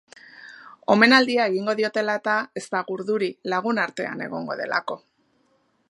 Omenaldia egingo diotela eta, ez dago urduri, lagun artean egongo delako.